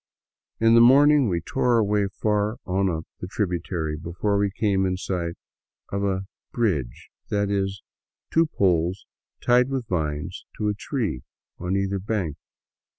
In the morning we tore our way far on up the tributary before we came in sight of a " bridge," that is, two poles tied with vines to a tree on either bank.